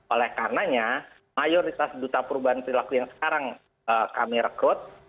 oleh karenanya mayoritas duta perubahan perilaku yang sekarang kami rekrut